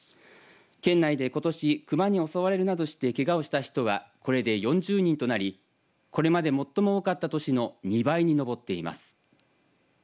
県内でことし、熊に襲われるなどしてけがをした人はこれで４０人となりこれまでで最も多かった年の２倍に上っています。